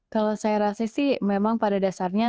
kalau saya rasa sih memang pada dasarnya